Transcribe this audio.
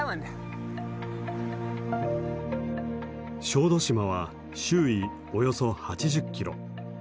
小豆島は周囲およそ８０キロ。